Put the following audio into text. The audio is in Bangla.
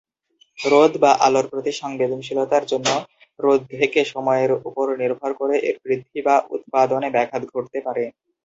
রোদ বা আলোর প্রতি সংবেদনশীলতার জন্য রোদ থেকে সময়ের উপর নির্ভর করে এর বৃদ্ধি বা উৎপাদনে ব্যাঘাত ঘটতে পারে।